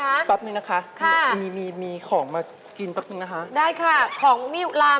อ๋ออามชี้นี่ฝึกมาจากโรงเรียนแล้วเนอะ